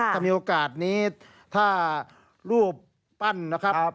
ถ้ามีโอกาสนี้ถ้ารูปปั้นนะครับ